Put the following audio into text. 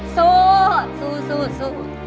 สู้สู้สู้สู้